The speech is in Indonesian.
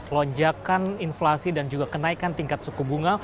lonjakan inflasi dan juga kenaikan tingkat suku bunga